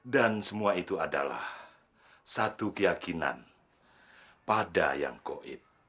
semua itu adalah satu keyakinan pada yang goib